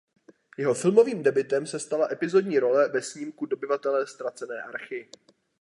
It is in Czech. Jeho filmovým debutem se stala epizodní role ve snímku "Dobyvatelé ztracené archy".